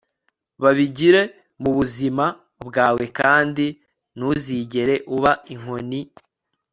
babigire mubuzima bwawe kandi ntuzigere uba inkoni